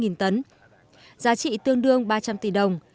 giá trị tương đương ba trăm linh tỷ đồng